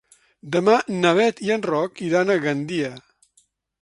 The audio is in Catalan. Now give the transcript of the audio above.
Demà na Bet i en Roc iran a Gandia.